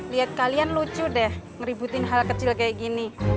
lihat kalian lucu deh ngeributin hal kecil kayak gini